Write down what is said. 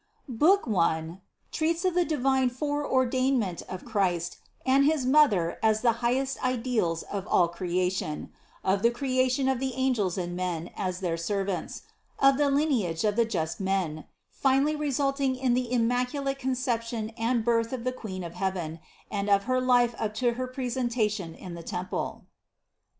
BOOK ONE Treats of the Divine Fore Ordalnment of Christ and His Mother as the Highest Ideals of all Creation; of the Creation of the Angels and Men as their Servants; of the Lineage of the Just Men, Finally Resulting in the Immaculate Conception and Birth of the Queen of Heaven; and of Her Life up to Her Presentation in the Temple.